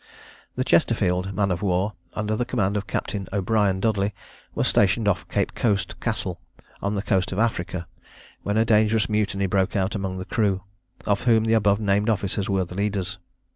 The Chesterfield man of war, under the command of Captain O'Brian Dudley, was stationed off Cape coast Castle, on the coast of Africa, when a dangerous mutiny broke out among the crew, of whom the above named officers were the leaders.